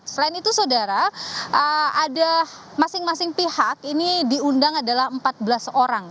selain itu saudara ada masing masing pihak ini diundang adalah empat belas orang